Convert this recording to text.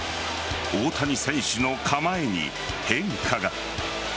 大谷選手の構えに変化が。